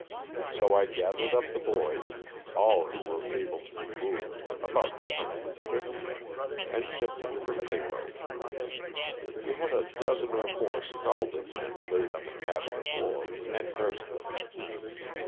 So I gathered up the boys— all who were able to be moved, about 250— and shipped them for Cairo. We had a dozen or more scalded men laid on the cabin floor, and nursed them.